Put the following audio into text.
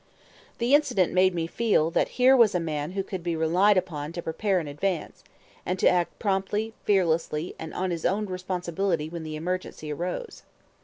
The incident made me feel that here was a man who could be relied upon to prepare in advance, and to act promptly, fearlessly, and on his own responsibility when the emergency arose.